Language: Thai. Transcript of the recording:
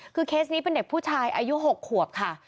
คือเคสนี้เป็นเด็กผู้ชายอายุ๖ขวบค่ะ